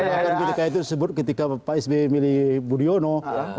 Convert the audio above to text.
bukannya seperti itu disebut ketika pak sby memilih budiono